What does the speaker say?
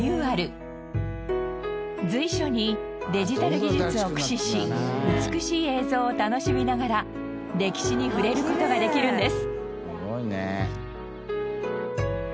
随所にデジタル技術を駆使し美しい映像を楽しみながら歴史に触れる事ができるんです。